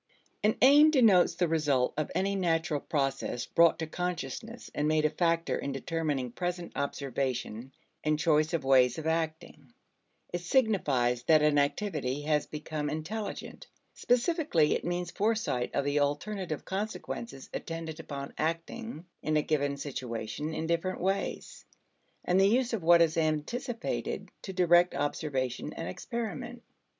An aim denotes the result of any natural process brought to consciousness and made a factor in determining present observation and choice of ways of acting. It signifies that an activity has become intelligent. Specifically it means foresight of the alternative consequences attendant upon acting in a given situation in different ways, and the use of what is anticipated to direct observation and experiment.